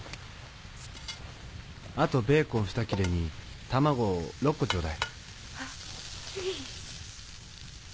あとベーコンふた切れに卵６個ちょうだい。